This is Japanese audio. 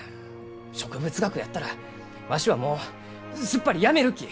植物学やったらわしはもうすっぱりやめるき！